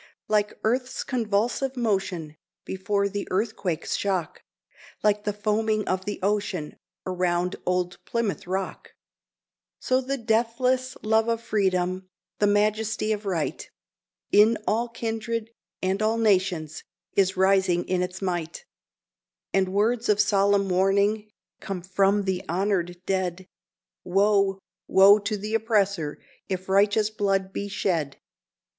Like earth's convulsive motion before the earthquake's shock, Like the foaming of the ocean around old Plymouth Rock, So the deathless love of Freedom the majesty of Right In all kindred, and all nations, is rising in its might; And words of solemn warning come from the honored dead "Woe, woe to the oppressor if righteous blood be shed!